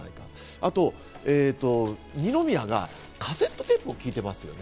あと二宮がカセットテープを聴いていますよね。